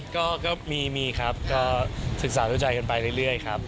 ก็มีครับก็ศึกษาดูใจกันไปเรื่อยครับ